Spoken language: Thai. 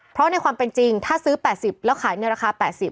เพราะในความเป็นจริงถ้าซื้อ๘๐แล้วขายในราคา๘๐บาท